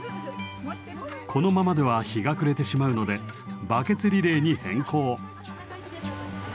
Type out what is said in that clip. このままでは日が暮れてしまうのでバケツリレーに変更。